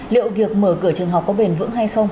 liệu việc mở cửa trường học có bền vững hay không